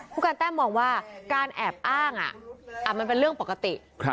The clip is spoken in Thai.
ผู้การแต้มมองว่าการแอบอ้างมันเป็นเรื่องปกติ